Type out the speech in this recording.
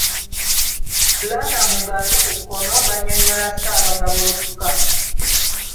Planner Mugalu ku kkono ng’annyonnyola Ssaabagabo Lufuka.